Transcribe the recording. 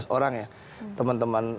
lima belas orang ya teman teman